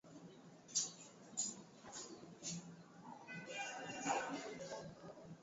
Ugonjwa wa homa ya mapafu kwa ngombe